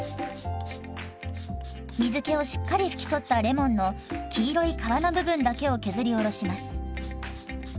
水けをしっかりふき取ったレモンの黄色い皮の部分だけを削りおろします。